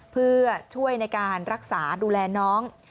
เพื่อช่วยในการรักษาดูแลน้อง